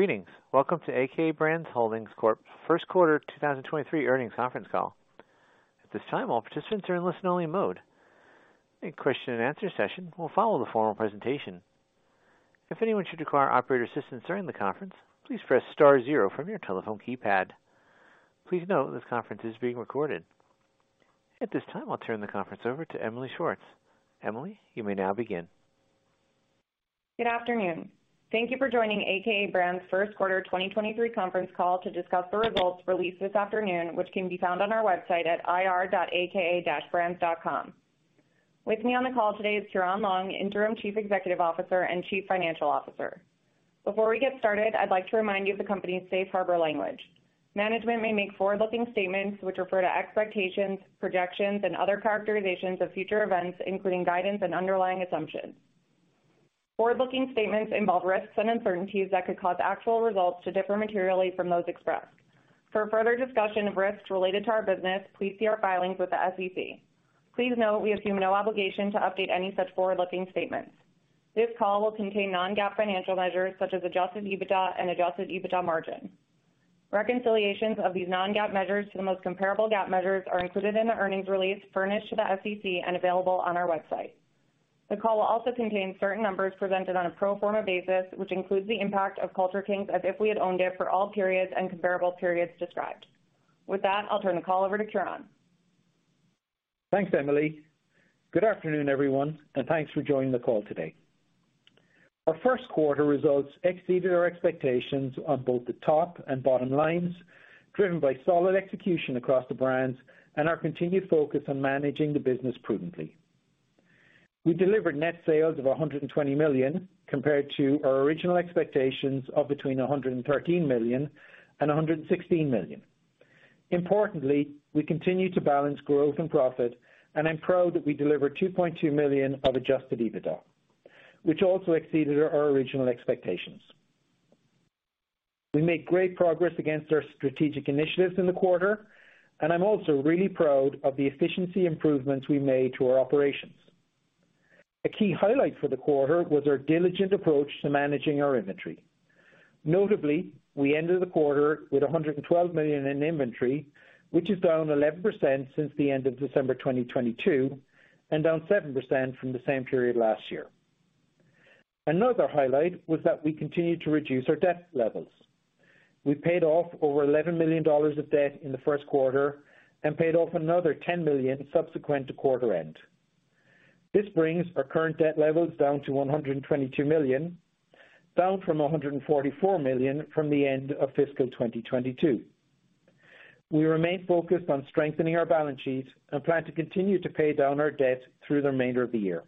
Greetings. Welcome to a.k.a. Brands Holdings Corp.'s first quarter 2023 earnings conference call. At this time, all participants are in listen-only mode. A question and answer session will follow the formal presentation. If anyone should require operator assistance during the conference, please press star zero from your telephone keypad. Please note this conference is being recorded. At this time, I'll turn the conference over to Emily Schwartz. Emily, you may now begin. Good afternoon. Thank you for joining a.k.a. Brands' first quarter 2023 conference call to discuss the results released this afternoon, which can be found on our website at ir.aka-brands.com. With me on the call today is Ciaran Long, Interim Chief Executive Officer and Chief Financial Officer. Before we get started, I'd like to remind you of the company's safe harbor language. Management may make forward-looking statements which refer to expectations, projections, and other characterizations of future events, including guidance and underlying assumptions. Forward-looking statements involve risks and uncertainties that could cause actual results to differ materially from those expressed. For further discussion of risks related to our business, please see our filings with the SEC. Please note we assume no obligation to update any such forward-looking statements. This call will contain non-GAAP financial measures such as adjusted EBITDA and adjusted EBITDA margin. Reconciliations of these non-GAAP measures to the most comparable GAAP measures are included in the earnings release furnished to the SEC and available on our website. The call will also contain certain numbers presented on a pro forma basis, which includes the impact of Culture Kings as if we had owned it for all periods and comparable periods described. With that, I'll turn the call over to Ciaran. Thanks, Emily. Good afternoon, everyone, and thanks for joining the call today. Our first quarter results exceeded our expectations on both the top and bottom lines, driven by solid execution across the brands and our continued focus on managing the business prudently. We delivered net sales of $120 million compared to our original expectations of between $113 million and $116 million. Importantly, we continue to balance growth and profit, and I'm proud that we delivered $2.2 million of adjusted EBITDA, which also exceeded our original expectations. We made great progress against our strategic initiatives in the quarter, and I'm also really proud of the efficiency improvements we made to our operations. A key highlight for the quarter was our diligent approach to managing our inventory. Notably, we ended the quarter with $112 million in inventory, which is down 11% since the end of December 2022, and down 7% from the same period last year. Another highlight was that we continued to reduce our debt levels. We paid off over $11 million of debt in the first quarter and paid off another $10 million subsequent to quarter end. This brings our current debt levels down to $122 million, down from $144 million from the end of fiscal 2022. We remain focused on strengthening our balance sheets and plan to continue to pay down our debt through the remainder of the year.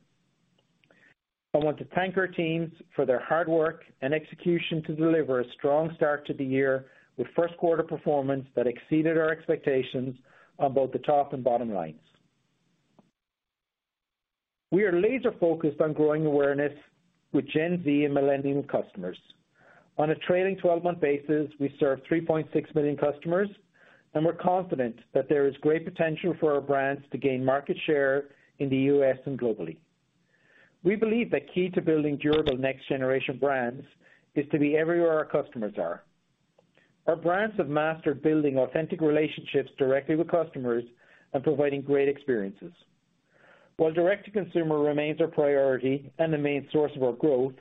I want to thank our teams for their hard work and execution to deliver a strong start to the year with first quarter performance that exceeded our expectations on both the top and bottom lines. We are laser-focused on growing awareness with Gen Z and millennial customers. On a trailing 12-month basis, we serve 3.6 million customers. We're confident that there is great potential for our brands to gain market share in the US and globally. We believe the key to building durable next generation brands is to be everywhere our customers are. Our brands have mastered building authentic relationships directly with customers and providing great experiences. While direct-to-consumer remains our priority and the main source of our growth,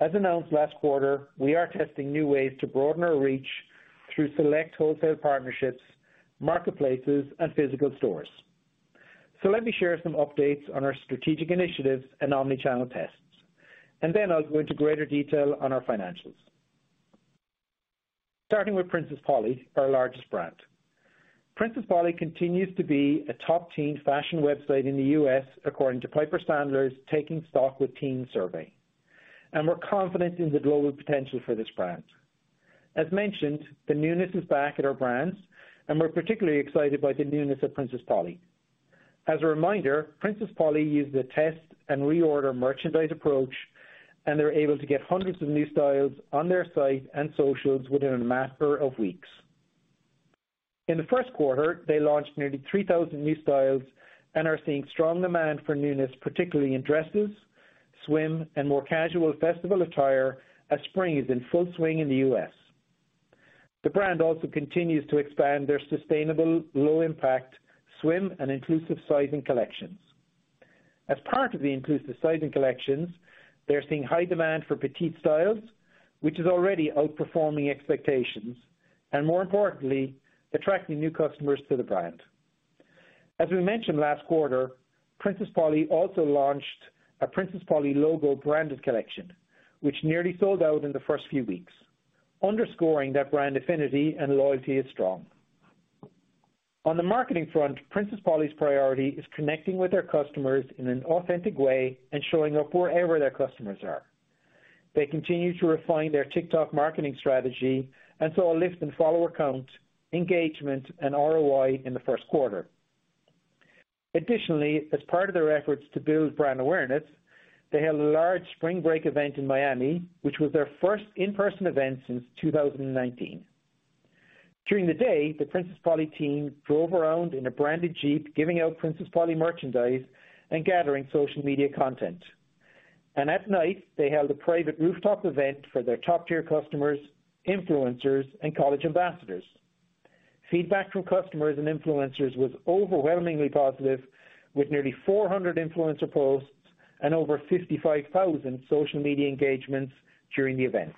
as announced last quarter, we are testing new ways to broaden our reach through select wholesale partnerships, marketplaces, and physical stores. Let me share some updates on our strategic initiatives and omnichannel tests, and then I'll go into greater detail on our financials. Starting with Princess Polly, our largest brand. Princess Polly continues to be a top teen fashion website in the U.S., according to Piper Sandler's Taking Stock With Teens survey. We're confident in the global potential for this brand. As mentioned, the newness is back at our brands, and we're particularly excited by the newness of Princess Polly. As a reminder, Princess Polly uses a test and repeat merchandise approach, and they're able to get hundreds of new styles on their site and socials within a matter of weeks. In the first quarter, they launched nearly 3,000 new styles and are seeing strong demand for newness, particularly in dresses, swim, and more casual festival attire as spring is in full swing in the U.S. The brand also continues to expand their sustainable, low impact swim and inclusive sizing collections. As part of the inclusive sizing collections, they're seeing high demand for petite styles, which is already outperforming expectations, and more importantly, attracting new customers to the brand. As we mentioned last quarter, Princess Polly also launched a Princess Polly logo branded collection, which nearly sold out in the first few weeks, underscoring that brand affinity and loyalty is strong. On the marketing front, Princess Polly's priority is connecting with their customers in an authentic way and showing up wherever their customers are. They continue to refine their TikTok marketing strategy and saw a lift in follower count, engagement, and ROI in the first quarter. Additionally, as part of their efforts to build brand awareness, they held a large spring break event in Miami, which was their first in-person event since 2019. During the day, the Princess Polly team drove around in a branded Jeep, giving out Princess Polly merchandise and gathering social media content. At night they held a private rooftop event for their top-tier customers, influencers, and college ambassadors. Feedback from customers and influencers was overwhelmingly positive, with nearly 400 influencer posts and over 55,000 social media engagements during the event.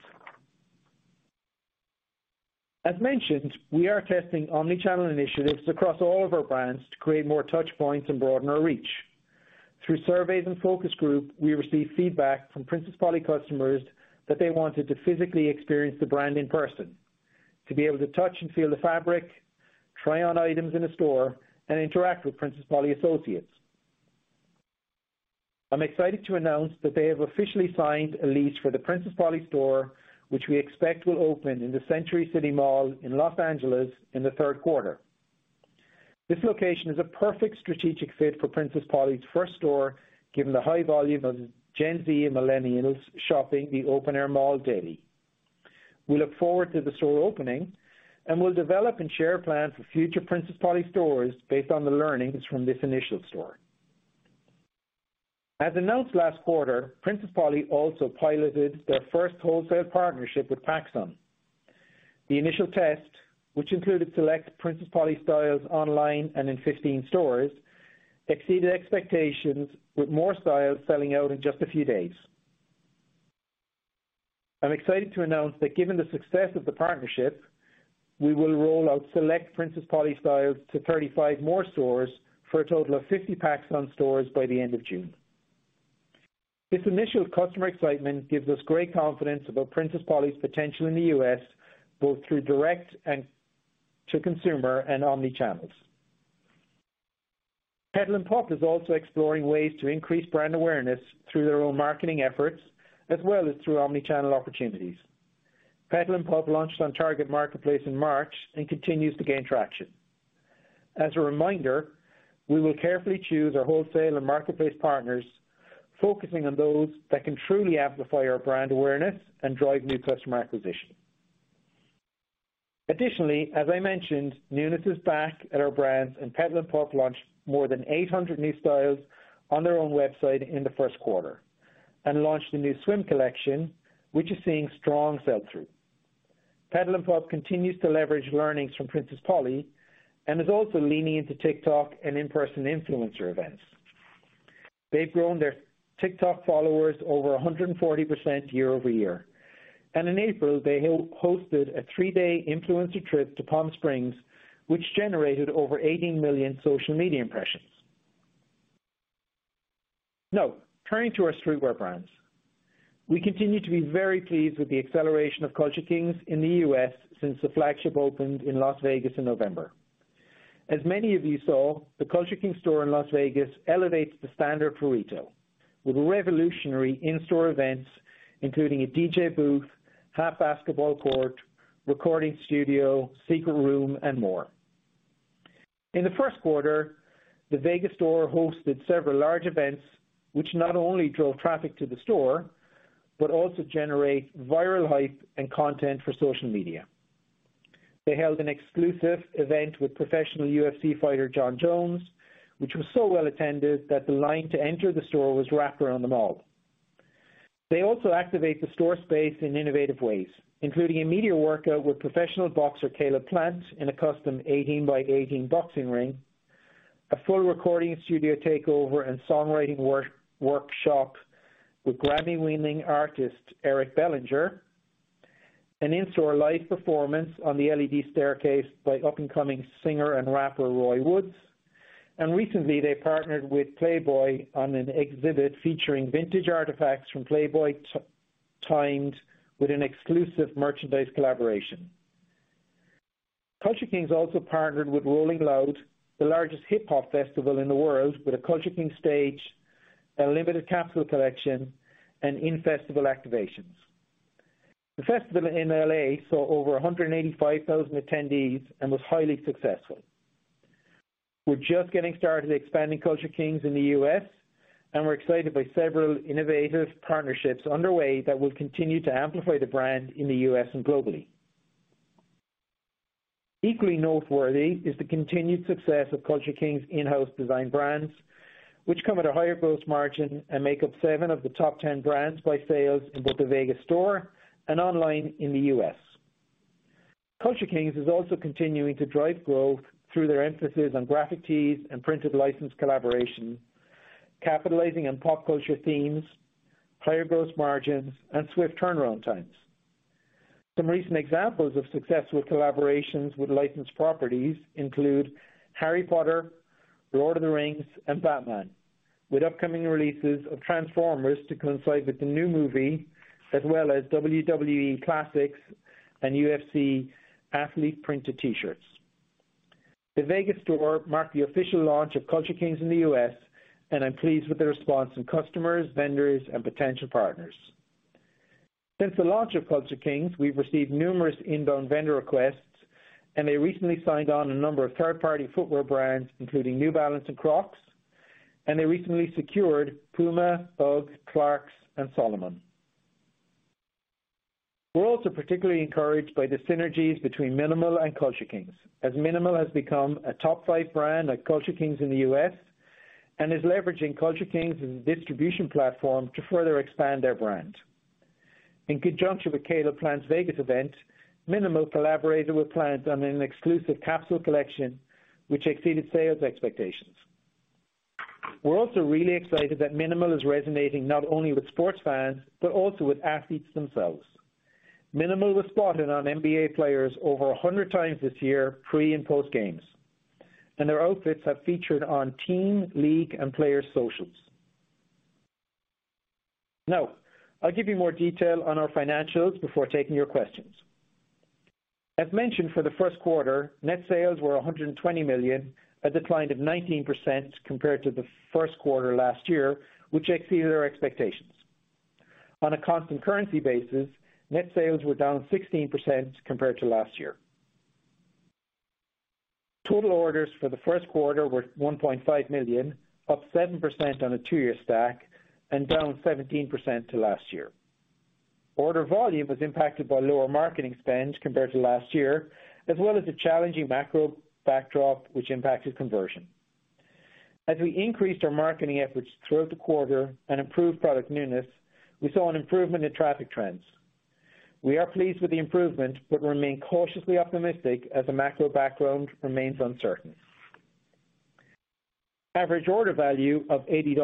As mentioned, we are testing omni-channel initiatives across all of our brands to create more touch points and broaden our reach. Through surveys and focus group, we receive feedback from Princess Polly customers that they wanted to physically experience the brand in person, to be able to touch and feel the fabric, try on items in a store, and interact with Princess Polly associates. I'm excited to announce that they have officially signed a lease for the Princess Polly store, which we expect will open in the Century City Mall in Los Angeles in the third quarter. This location is a perfect strategic fit for Princess Polly's first store, given the high volume of Gen Z and millennials shopping the open air mall daily. We look forward to the store opening, and we'll develop and share plans for future Princess Polly stores based on the learnings from this initial store. As announced last quarter, Princess Polly also piloted their first wholesale partnership with PacSun. The initial test, which included select Princess Polly styles online and in 15 stores, exceeded expectations, with more styles selling out in just a few days. I'm excited to announce that given the success of the partnership, we will roll out select Princess Polly styles to 35 more stores for a total of 50 PacSun stores by the end of June. This initial customer excitement gives us great confidence about Princess Polly's potential in the US, both through direct-to-consumer and omni-channels. Petal & Pup is also exploring ways to increase brand awareness through their own marketing efforts as well as through omni-channel opportunities. Petal & Pup launched on Target Plus in March and continues to gain traction. As a reminder, we will carefully choose our wholesale and marketplace partners, focusing on those that can truly amplify our brand awareness and drive new customer acquisition. Additionally, as I mentioned, newness is back at our brands, and Petal & Pup launched more than 800 new styles on their own website in the first quarter and launched a new swim collection, which is seeing strong sell-through. Petal & Pup continues to leverage learnings from Princess Polly and is also leaning into TikTok and in-person influencer events. They've grown their TikTok followers over 140% year-over-year, and in April, they hosted a 3-day influencer trip to Palm Springs, which generated over 18 million social media impressions. Turning to our streetwear brands. We continue to be very pleased with the acceleration of Culture Kings in the U.S. since the flagship opened in Las Vegas in November. As many of you saw, the Culture Kings store in Las Vegas elevates the standard for retail with revolutionary in-store events, including a DJ booth, half basketball court, recording studio, secret room, and more. In the first quarter, the Vegas store hosted several large events which not only drove traffic to the store, but also generate viral hype and content for social media. They held an exclusive event with professional UFC fighter, Jon Jones, which was so well attended that the line to enter the store was wrapped around the mall. They also activate the store space in innovative ways, including a media workout with professional boxer Caleb Plant in a custom 18 by 18 boxing ring, a full recording studio takeover and songwriting workshop with GRAMMY-winning artist Eric Bellinger, an in-store live performance on the LED staircase by up-and-coming singer and rapper Roy Woods. Recently they partnered with Playboy on an exhibit featuring vintage artifacts from Playboy timed with an exclusive merchandise collaboration. Culture Kings also partnered with Rolling Loud, the largest hip hop festival in the world, with a Culture Kings stage, a limited capsule collection, and in-festival activations. The festival in L.A. saw over 185,000 attendees and was highly successful. We're just getting started expanding Culture Kings in the U.S., and we're excited by several innovative partnerships underway that will continue to amplify the brand in the U.S. and globally. Equally noteworthy is the continued success of Culture Kings' in-house design brands, which come at a higher gross margin and make up seven of the top 10 brands by sales in both the Vegas store and online in the U.S. Culture Kings is also continuing to drive growth through their emphasis on graphic tees and printed licensed collaboration, capitalizing on pop culture themes, higher gross margins, and swift turnaround times. Some recent examples of successful collaborations with licensed properties include Harry Potter, Lord of the Rings, and Batman. With upcoming releases of Transformers to coincide with the new movie, as well as WWE Classics and UFC athlete printed T-shirts. The Vegas store marked the official launch of Culture Kings in the U.S., and I'm pleased with the response from customers, vendors, and potential partners. Since the launch of Culture Kings, we've received numerous inbound vendor requests, and they recently signed on a number of third-party footwear brands, including New Balance and Crocs, and they recently secured PUMA, UGG, Clarks, and Salomon. We're also particularly encouraged by the synergies between mnml and Culture Kings, as mnml has become a top five brand at Culture Kings in the U.S. and is leveraging Culture Kings as a distribution platform to further expand their brand. In conjunction with Caleb Plant's Vegas event, mnml collaborated with Plant on an exclusive capsule collection which exceeded sales expectations. We're also really excited that mnml is resonating not only with sports fans, but also with athletes themselves. mnml was spotted on NBA players over 100 times this year, pre- and post-games. Their outfits have featured on team, league, and player socials. Now, I'll give you more detail on our financials before taking your questions. As mentioned, for the first quarter, net sales were $120 million, a decline of 19% compared to the first quarter last year, which exceeded our expectations. On a constant currency basis, net sales were down 16% compared to last year. Total orders for the first quarter were 1.5 million, up 7% on a two-year stack and down 17% to last year. Order volume was impacted by lower marketing spends compared to last year, as well as the challenging macro backdrop, which impacted conversion. As we increased our marketing efforts throughout the quarter and improved product newness, we saw an improvement in traffic trends. We are pleased with the improvement but remain cautiously optimistic as the macro background remains uncertain. Average Order Value of $80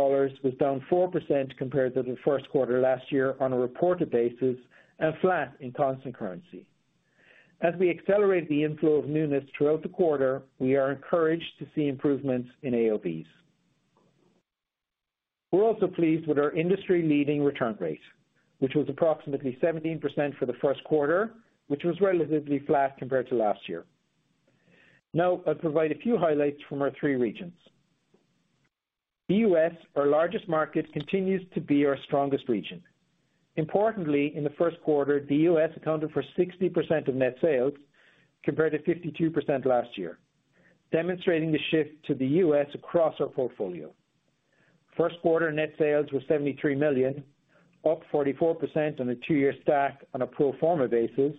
was down 4% compared to the first quarter last year on a reported basis and flat in constant currency. As we accelerate the inflow of newness throughout the quarter, we are encouraged to see improvements in AOVs. We're also pleased with our industry-leading return rate, which was approximately 17% for the first quarter, which was relatively flat compared to last year. I'll provide a few highlights from our three regions. The U.S., our largest market, continues to be our strongest region. Importantly, in the first quarter, the U.S. accounted for 60% of net sales, compared to 52% last year, demonstrating the shift to the U.S. across our portfolio. First quarter net sales were $73 million, up 44% on a two-year stack on a pro forma basis,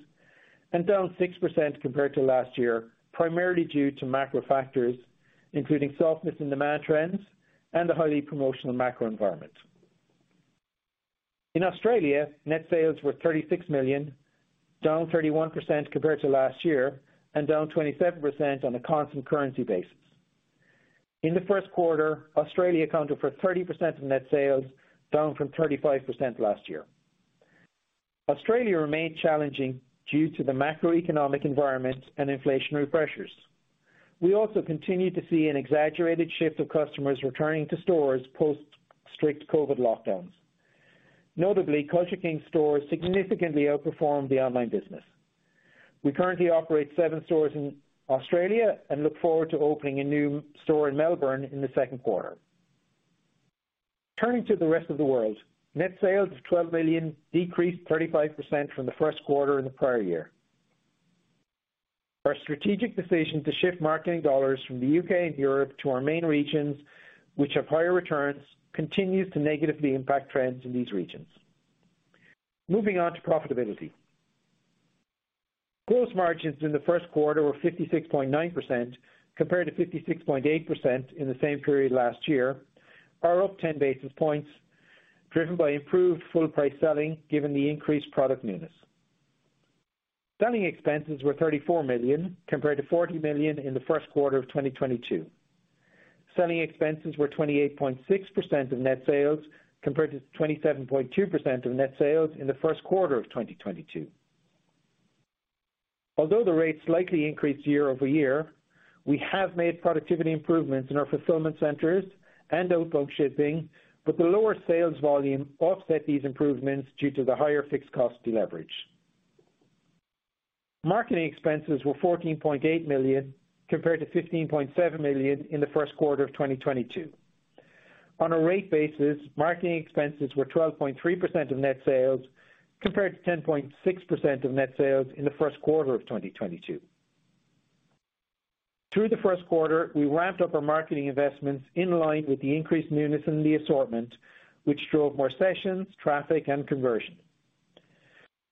and down 6% compared to last year, primarily due to macro factors, including softness in demand trends and the highly promotional macro environment. In Australia, net sales were 36 million, down 31% compared to last year and down 27% on a constant currency basis. In the first quarter, Australia accounted for 30% of net sales, down from 35% last year. Australia remained challenging due to the macroeconomic environment and inflationary pressures. We also continued to see an exaggerated shift of customers returning to stores post strict COVID lockdowns. Notably, Culture Kings stores significantly outperformed the online business. We currently operate seven stores in Australia and look forward to opening a new store in Melbourne in the second quarter. Turning to the rest of the world. Net sales of $12 million decreased 35% from the first quarter in the prior-year. Our strategic decision to shift marketing dollars from the UK and Europe to our main regions, which have higher returns, continues to negatively impact trends in these regions. Moving on to profitability. Gross margins in the first quarter were 56.9%, compared to 56.8% in the same period last year, are up 10 basis points, driven by improved full price selling given the increased product newness. Selling expenses were $34 million, compared to $40 million in the first quarter of 2022. Selling expenses were 28.6% of net sales, compared to 27.2% of net sales in the first quarter of 2022. Although the rates likely increased year-over-year, we have made productivity improvements in our fulfillment centers and outbound shipping, but the lower sales volume offset these improvements due to the higher fixed cost deleverage. Marketing expenses were $14.8 million, compared to $15.7 million in the first quarter of 2022. On a rate basis, marketing expenses were 12.3% of net sales, compared to 10.6% of net sales in the first quarter of 2022. Through the first quarter, we ramped up our marketing investments in line with the increased newness in the assortment, which drove more sessions, traffic and conversion.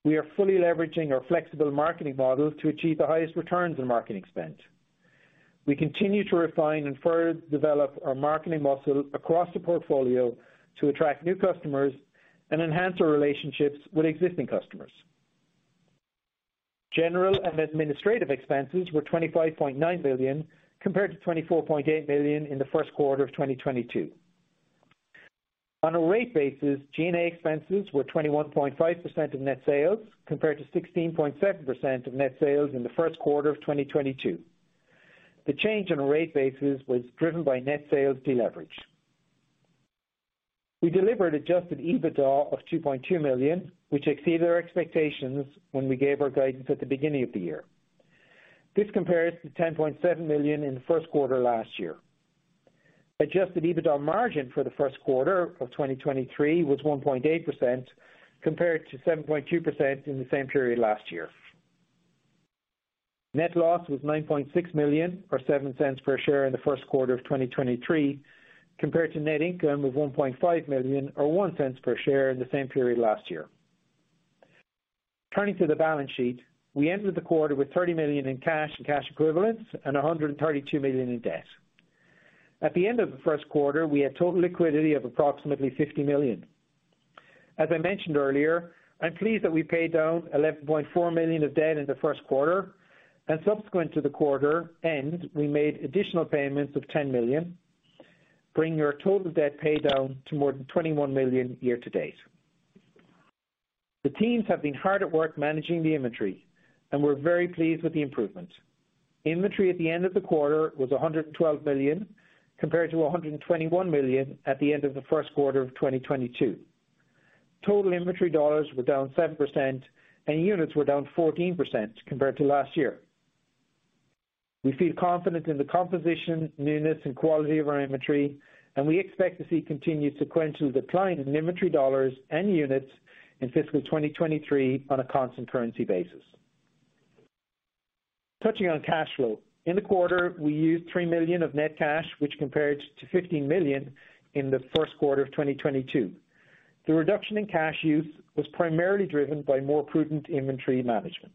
We are fully leveraging our flexible marketing models to achieve the highest returns on marketing spend. We continue to refine and further develop our marketing muscle across the portfolio to attract new customers and enhance our relationships with existing customers. General and administrative expenses were $25.9 billion, compared to $24.8 billion in the first quarter of 2022. On a rate basis, G&A expenses were 21.5% of net sales, compared to 16.7% of net sales in the first quarter of 2022. The change on a rate basis was driven by net sales deleverage. We delivered adjusted EBITDA of $2.2 million, which exceeded our expectations when we gave our guidance at the beginning of the year. This compares to $10.7 million in the first quarter last year. Adjusted EBITDA margin for the first quarter of 2023 was 1.8%, compared to 7.2% in the same period last year. Net loss was $9.6 million or $0.07 per share in the first quarter of 2023 compared to net income of $1.5 million or $0.01 per share in the same period last year. Turning to the balance sheet. We ended the quarter with $30 million in cash and cash equivalents and $132 million in debt. At the end of the first quarter, we had total liquidity of approximately $50 million. As I mentioned earlier, I'm pleased that we paid down $11.4 million of debt in the first quarter and subsequent to the quarter end, we made additional payments of $10 million, bringing our total debt pay down to more than $21 million year-to-date. The teams have been hard at work managing the inventory, and we're very pleased with the improvements. Inventory at the end of the quarter was $112 million compared to $121 million at the end of the first quarter of 2022. Total inventory dollars were down 7% and units were down 14% compared to last year. We feel confident in the composition, newness and quality of our inventory, and we expect to see continued sequential decline in inventory dollars and units in fiscal 2023 on a constant currency basis. Touching on cash flow. In the quarter, we used $3 million of net cash, which compares to $15 million in the first quarter of 2022. The reduction in cash use was primarily driven by more prudent inventory management.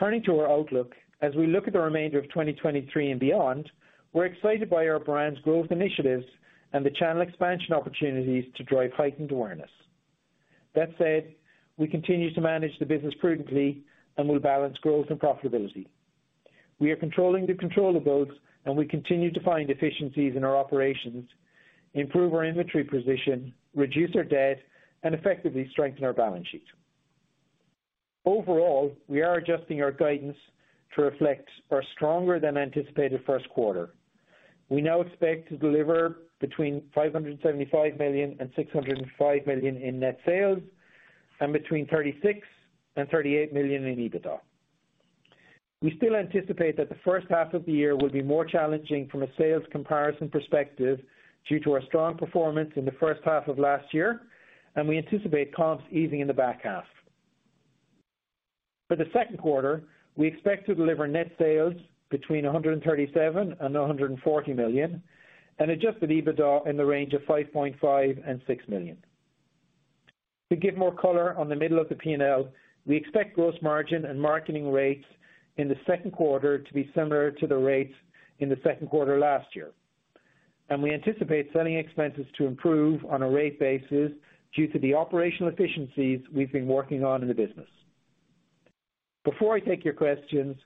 Turning to our outlook, as we look at the remainder of 2023 and beyond, we're excited by our brand's growth initiatives and the channel expansion opportunities to drive heightened awareness. That said, we continue to manage the business prudently and will balance growth and profitability. We are controlling the controllables and we continue to find efficiencies in our operations, improve our inventory position, reduce our debt and effectively strengthen our balance sheet. Overall, we are adjusting our guidance to reflect our stronger than anticipated first quarter. We now expect to deliver between $575 million and $605 million in net sales and between $36 million and $38 million in EBITDA. We still anticipate that the first half of the year will be more challenging from a sales comparison perspective due to our strong performance in the first half of last year, and we anticipate comps easing in the back half. For the second quarter, we expect to deliver net sales between $137 million and $140 million and adjusted EBITDA in the range of $5.5 million and $6 million. To give more color on the middle of the P&L, we expect gross margin and marketing rates in the second quarter to be similar to the rates in the second quarter last year. We anticipate selling expenses to improve on a rate basis due to the operational efficiencies we've been working on in the business. Before I take your questions,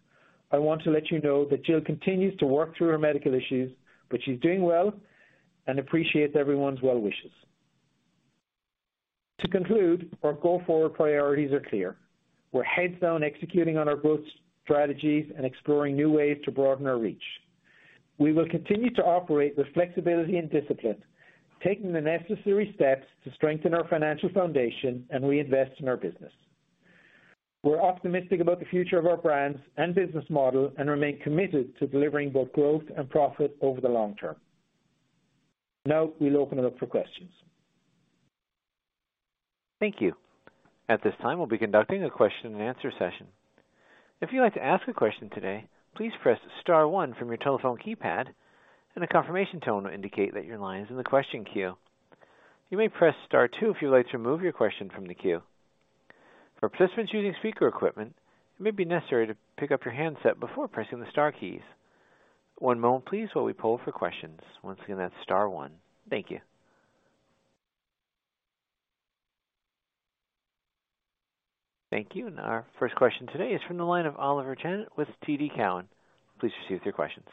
I want to let you know that Jill continues to work through her medical issues, but she's doing well and appreciates everyone's well wishes. To conclude, our go forward priorities are clear. We're heads down executing on our growth strategies and exploring new ways to broaden our reach. We will continue to operate with flexibility and discipline, taking the necessary steps to strengthen our financial foundation and reinvest in our business. We're optimistic about the future of our brands and business model and remain committed to delivering both growth and profit over the long term. Now we'll open it up for questions. Thank you. At this time, we'll be conducting a question-and-answer session. If you'd like to ask a question today, please press star one from your telephone keypad and a confirmation tone will indicate that your line is in the question queue. You may press star two if you'd like to remove your question from the queue. For participants using speaker equipment, it may be necessary to pick up your handset before pressing the star keys. One moment please while we poll for questions. Once again, that's star one. Thank you. Thank you. Our first question today is from the line of Oliver Chen with TD Cowen. Please proceed with your questions.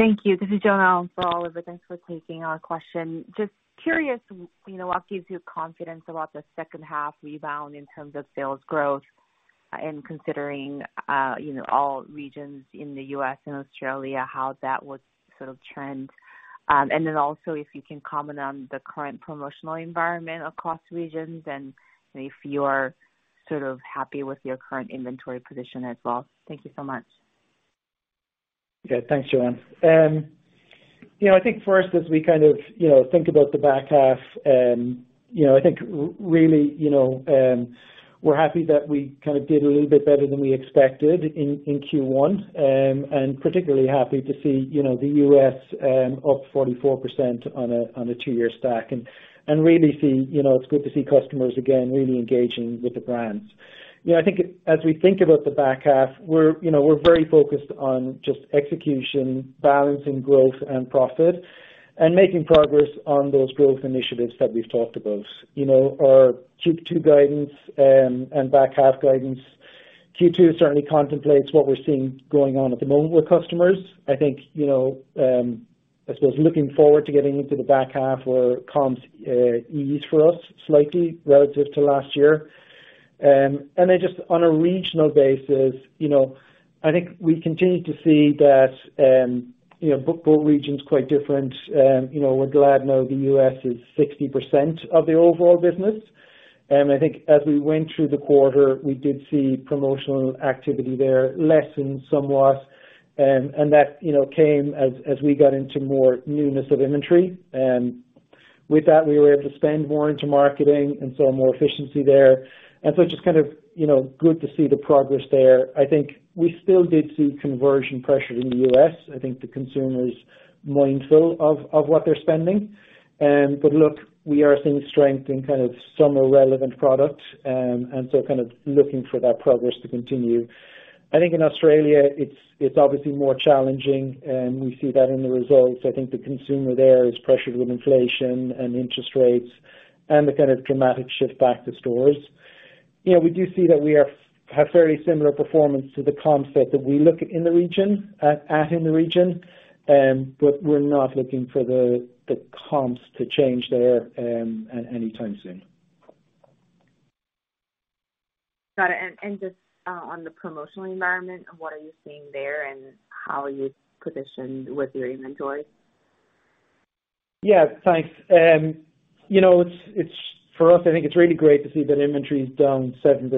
Thank you. This is Joanne for Oliver. Thanks for taking our question. Just curious, you know, what gives you confidence about the second half rebound in terms of sales growth and considering, you know, all regions in the U.S. and Australia, how that would sort of trend? Also if you can comment on the current promotional environment across regions and if you are sort of happy with your current inventory position as well. Thank you so much. Yeah. Thanks, Joanne. You know, I think for us, as we kind of, you know, think about the back half, you know, I think really, you know, we're happy that we kind of did a little bit better than we expected in Q1. Particularly happy to see, you know, the U.S. up 44% on a 2-year stack. Really see, you know, it's good to see customers again really engaging with the brands. You know, I think as we think about the back half, we're, you know, we're very focused on just execution, balancing growth and profit, and making progress on those growth initiatives that we've talked about. You know, our Q2 guidance, back half guidance. Q2 certainly contemplates what we're seeing going on at the moment with customers. I think, you know, I suppose looking forward to getting into the back half where comps ease for us slightly relative to last year. Just on a regional basis, you know, I think we continue to see that, you know, both regions quite different. You know, we're glad now the U.S. is 60% of the overall business. I think as we went through the quarter, we did see promotional activity there lessen somewhat. With that, we were able to spend more into marketing and saw more efficiency there. Just kind of, you know, good to see the progress there. I think we still did see conversion pressure in the U.S. I think the consumer's mindful of what they're spending. Look, we are seeing strength in kind of summer-relevant products. Looking for that progress to continue. I think in Australia it's obviously more challenging, and we see that in the results. I think the consumer there is pressured with inflation and interest rates and the kind of dramatic shift back to stores. You know, we do see that we have fairly similar performance to the concept that we look at in the region, at in the region. We're not looking for the comps to change there at any time soon. Got it. Just on the promotional environment, what are you seeing there and how are you positioned with your inventory? Yeah, thanks. You know, it's for us, I think it's really great to see that inventory is down 7%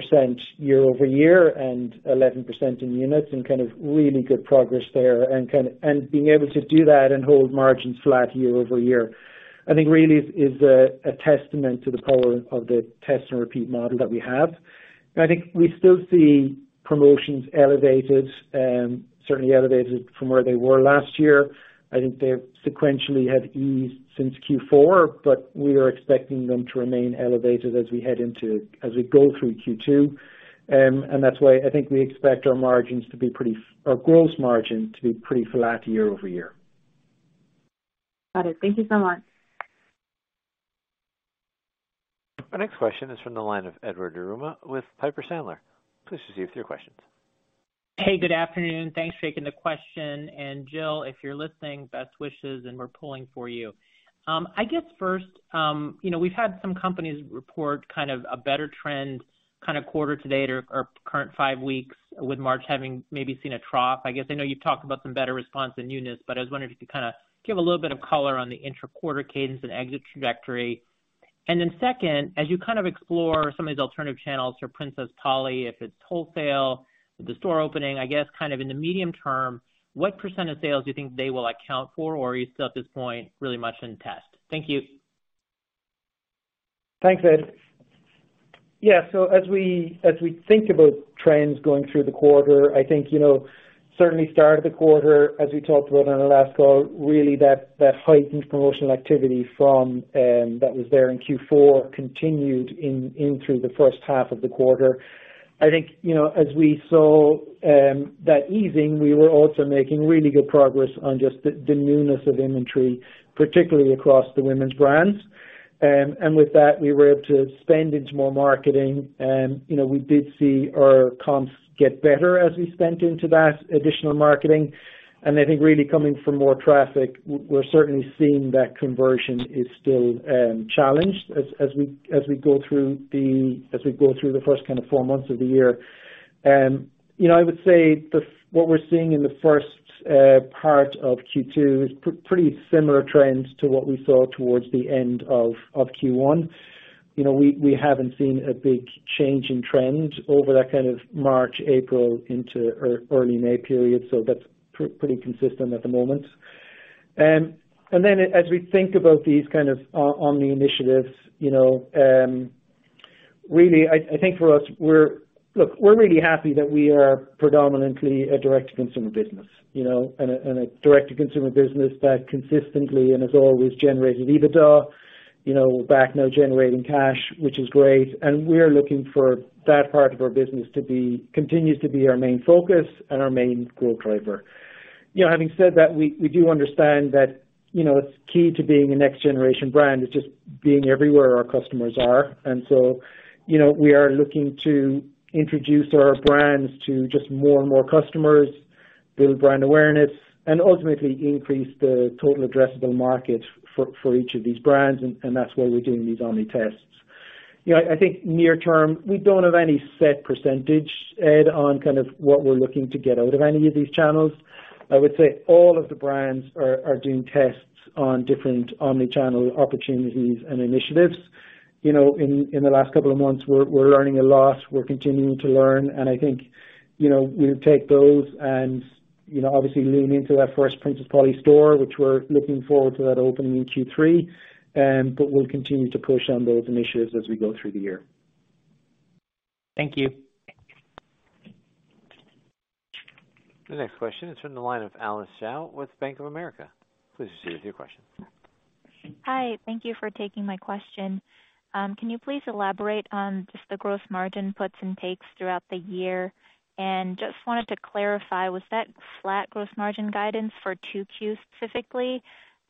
year-over-year and 11% in units and really good progress there and being able to do that and hold margins flat year-over-year, I think really is a testament to the power of the test and repeat model that we have. I think we still see promotions elevated, certainly elevated from where they were last year. I think they sequentially have eased since Q4, but we are expecting them to remain elevated as we go through Q2. That's why I think we expect our gross margin to be pretty flat year-over-year. Got it. Thank you so much. Our next question is from the line of Edward Yruma with Piper Sandler. Please proceed with your questions. Hey, good afternoon. Thanks for taking the question. Jill, if you're listening, best wishes, and we're pulling for you. I guess first, you know, we've had some companies report kind of a better trend kind of quarter to date or current five weeks with March having maybe seen a trough. I guess I know you've talked about some better response in newness, but I was wondering if you could kind of give a little bit of color on the intra-quarter cadence and exit trajectory. Then second, as you kind of explore some of these alternative channels for Princess Polly, if it's wholesale, the store opening, I guess kind of in the medium term, what % of sales do you think they will account for? Or are you still at this point really much in test? Thank you. Thanks, Ed. Yeah. As we think about trends going through the quarter, I think, you know, certainly start of the quarter, as we talked about on our last call, really that heightened promotional activity from that was there in Q4 continued in through the first half of the quarter. I think, you know, as we saw that easing, we were also making really good progress on just the newness of inventory, particularly across the women's brands. With that, we were able to spend into more marketing. You know, we did see our comps get better as we spent into that additional marketing. I think really coming from more traffic, we're certainly seeing that conversion is still challenged as we go through the first kind of four months of the year. You know, I would say what we're seeing in the first part of Q2 is pretty similar trends to what we saw towards the end of Q1. You know, we haven't seen a big change in trend over that kind of March, April into early May period. That's pretty consistent at the moment. Then as we think about these kind of omni initiatives, you know, really, I think for us we're really happy that we are predominantly a direct-to-consumer business, you know, and a direct-to-consumer business that consistently and has always generated EBITDA. You know, we're back now generating cash, which is great, and we're looking for that part of our business continues to be our main focus and our main growth driver. You know, having said that, we do understand that, you know, it's key to being a next-generation brand is just being everywhere our customers are. You know, we are looking to introduce our brands to just more and more customers, build brand awareness, and ultimately increase the total addressable market for each of these brands, and that's why we're doing these omni tests. You know, I think near term, we don't have any set percentage, Ed, on kind of what we're looking to get out of any of these channels. I would say all of the brands are doing tests on different omni-channel opportunities and initiatives. You know, in the last couple of months we're learning a lot. We're continuing to learn, and I think, you know, we'll take those and, you know, obviously lean into that first Princess Polly store, which we're looking forward to that opening in Q3. We'll continue to push on those initiatives as we go through the year. Thank you. The next question is from the line of Alice Xiao with Bank of America. Please proceed with your question. Hi. Thank you for taking my question. Can you please elaborate on just the gross margin puts and takes throughout the year? Just wanted to clarify, was that flat gross margin guidance for 2Q specifically?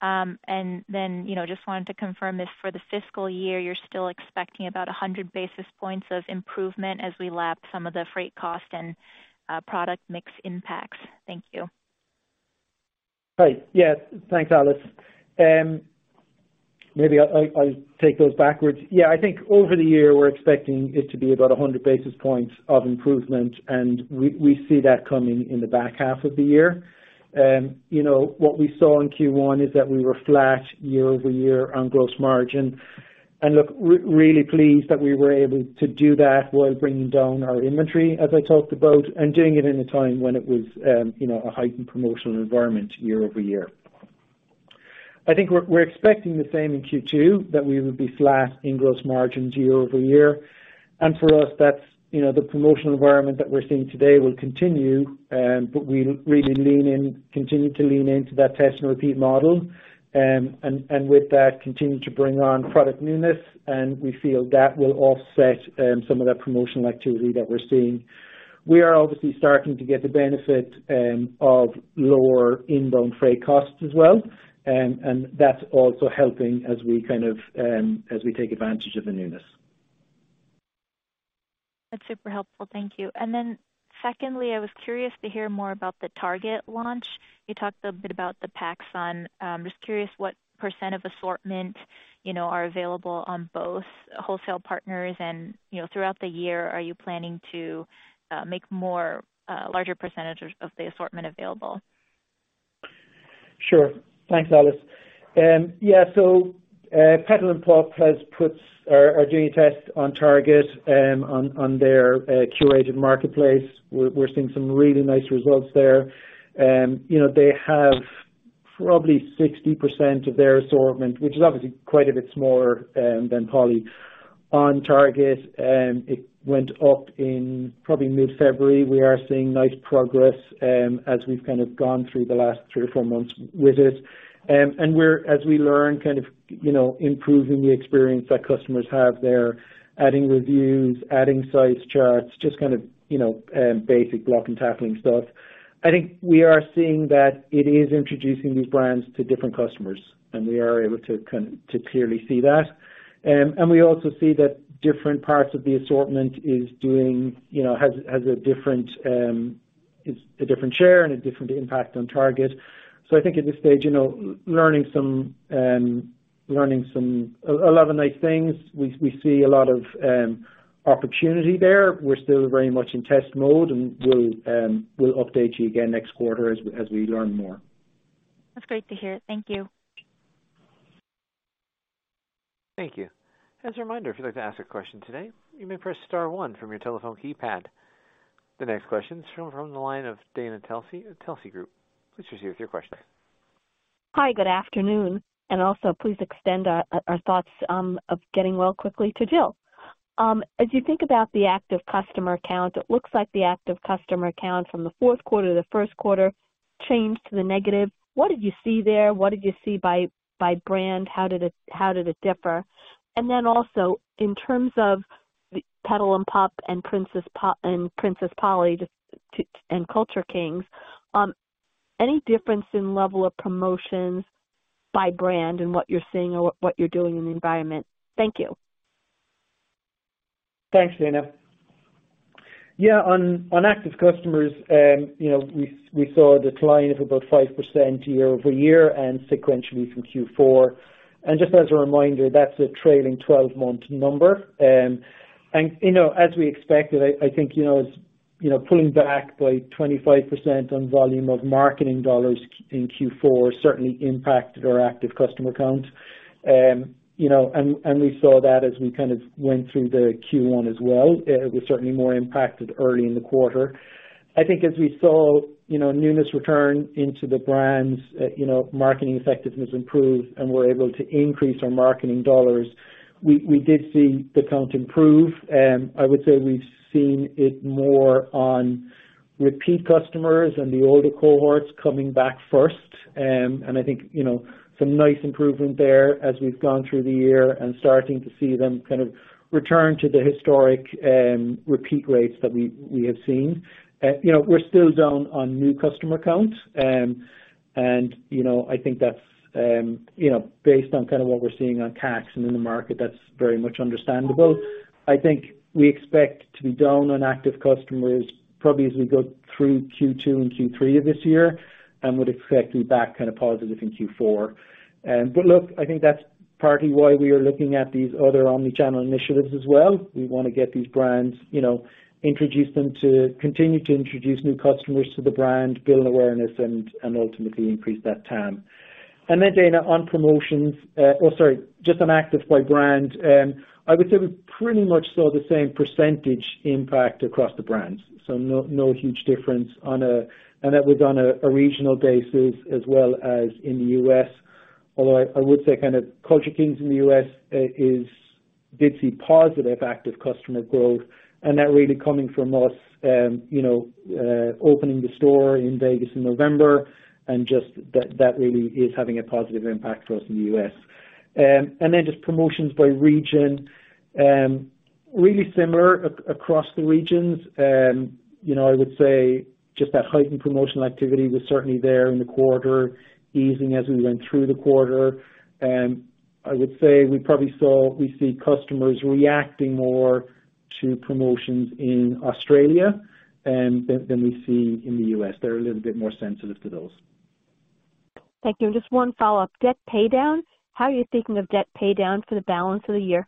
You know, just wanted to confirm if for the fiscal year, you're still expecting about 100 basis points of improvement as we lap some of the freight cost and product mix impacts. Thank you. Right. Yeah, thanks, Alice. Maybe I'll take those backwards. Yeah, I think over the year, we're expecting it to be about 100 basis points of improvement, we see that coming in the back half of the year. You know, what we saw in Q1 is that we were flat year-over-year on gross margin. Look, really pleased that we were able to do that while bringing down our inventory, as I talked about, and doing it in a time when it was, you know, a heightened promotional environment year-over-year. I think we're expecting the same in Q2, that we would be flat in gross margins year-over-year. For us, that's, you know, the promotional environment that we're seeing today will continue, but we'll continue to lean into that test and repeat model. With that, continue to bring on product newness, and we feel that will offset some of that promotional activity that we're seeing. We are obviously starting to get the benefit of lower inbound freight costs as well. That's also helping as we kind of as we take advantage of the newness. That's super helpful. Thank you. Secondly, I was curious to hear more about the Target launch. You talked a bit about the PacSun. Just curious what percent of assortment, you know, are available on both wholesale partners and, you know, throughout the year, are you planning to make more larger percentages of the assortment available? Sure. Thanks, Alice. Petal & Pup has put our DNA test on Target, on their curated marketplace. We're seeing some really nice results there. You know, they have probably 60% of their assortment, which is obviously quite a bit smaller than Polly, on Target. It went up in probably mid-February. We are seeing nice progress as we've kind of gone through the last three or four months with it. As we learn, kind of, you know, improving the experience that customers have there, adding reviews, adding size charts, just kind of, you know, basic block and tackling stuff. I think we are seeing that it is introducing new brands to different customers, and we are able to clearly see that. We also see that different parts of the assortment is doing, you know, has a different, is a different share and a different impact on Target. I think at this stage, you know, A lot of nice things. We see a lot of opportunity there. We're still very much in test mode, and we'll update you again next quarter as we learn more. That's great to hear. Thank you. Thank you. As a reminder, if you'd like to ask a question today, you may press star one from your telephone keypad. The next question is from the line of Dana Telsey Group. Please proceed with your question. Hi, good afternoon, and also please extend our thoughts of getting well quickly to Jill. As you think about the active customer count, it looks like the active customer count from the fourth quarter to the first quarter changed to the negative. What did you see there? What did you see by brand? How did it differ? Also, in terms of Petal & Pup and Princess Polly and Culture Kings, any difference in level of promotions by brand and what you're seeing or what you're doing in the environment? Thank you. Thanks, Dana. Yeah, on active customers, you know, we saw a decline of about 5% year-over-year and sequentially from Q4. Just as a reminder, that's a trailing twelve-month number. You know, as we expected, I think, you know, as, you know, pulling back by 25% on volume of marketing dollars in Q4 certainly impacted our active customer count. You know, we saw that as we kind of went through the Q1 as well. It was certainly more impacted early in the quarter. I think as we saw, you know, newness return into the brands, you know, marketing effectiveness improved, and we're able to increase our marketing dollars. We, we did see the count improve. I would say we've seen it more on repeat customers and the older cohorts coming back first. I think, you know, some nice improvement there as we've gone through the year and starting to see them kind of return to the historic repeat rates that we have seen. You know, we're still down on new customer count. You know, I think that's, you know, based on kind of what we're seeing on TAM and in the market, that's very much understandable. I think we expect to be down on active customers probably as we go through Q2 and Q3 of this year, and would expect to be back kind of positive in Q4. Look, I think that's partly why we are looking at these other omni-channel initiatives as well. We wanna get these brands, you know, continue to introduce new customers to the brand, build awareness and ultimately increase that TAM. Then Dana, on promotions. sorry, just on active by brand. I would say we pretty much saw the same percentage impact across the brands. No huge difference. That was on a regional basis as well as in the U.S. I would say kind of Culture Kings in the U.S., Did see positive active customer growth, and that really coming from us, you know, opening the store in Vegas in November and just that really is having a positive impact for us in the U.S. Then just promotions by region. really similar across the regions. you know, I would say just that heightened promotional activity was certainly there in the quarter, easing as we went through the quarter. I would say we probably see customers reacting more to promotions in Australia than we see in the U.S. They're a little bit more sensitive to those. Thank you. Just one follow-up. Debt paydown. How are you thinking of debt paydown for the balance of the year?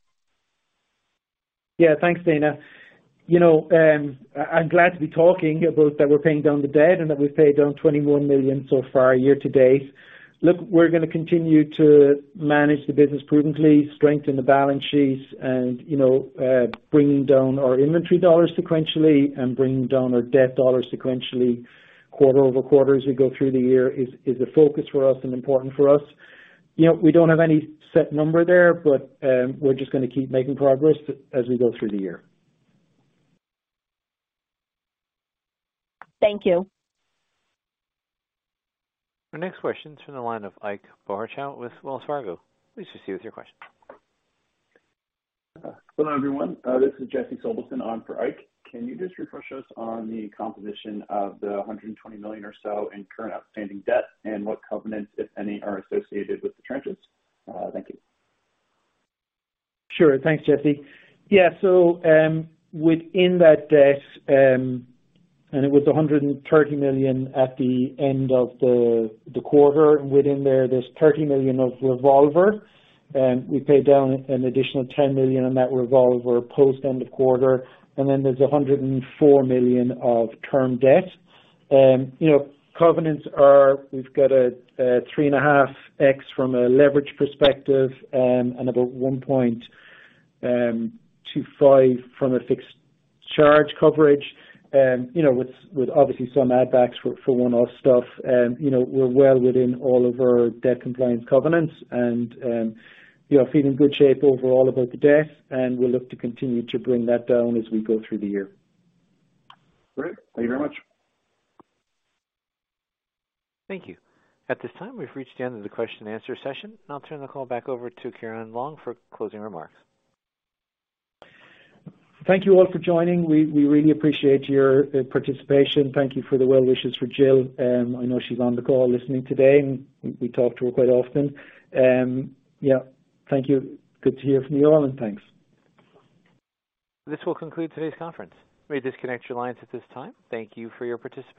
Yeah. Thanks, Dana. You know, I'm glad to be talking about that we're paying down the debt and that we've paid down $21 million so far year-to-date. Look, we're gonna continue to manage the business prudently, strengthen the balance sheets and, you know, bringing down our inventory dollars sequentially and bringing down our debt dollars sequentially quarter-over-quarter as we go through the year is a focus for us and important for us. You know, we don't have any set number there, but we're just gonna keep making progress as we go through the year. Thank you. Our next question is from the line of Ike Boruchow with Wells Fargo. Please proceed with your question. Hello, everyone. This is Jesse Sobelson on for Ike. Can you just refresh us on the composition of the $120 million or so in current outstanding debt and what covenants, if any, are associated with the tranches? Thank you. Sure. Thanks, Jesse. Within that debt, and it was $130 million at the end of the quarter. Within there's $30 million of revolver, we paid down an additional $10 million on that revolver post end of quarter. There's $104 million of term debt. You know, covenants are, we've got a 3.5x from a leverage perspective, and about 1.25 from a fixed charge coverage. You know, with obviously some add backs for one-off stuff. You know, we're well within all of our debt compliance covenants and, you know, feeling good shape overall about the debt. We'll look to continue to bring that down as we go through the year. Great. Thank you very much. Thank you. At this time, we've reached the end of the question and answer session. I'll turn the call back over to Ciaran Long for closing remarks. Thank you all for joining. We really appreciate your participation. Thank you for the well wishes for Jill. I know she's on the call listening today, and we talk to her quite often. Yeah. Thank you. Good to hear from you all, and thanks. This will conclude today's conference. You may disconnect your lines at this time. Thank you for your participation.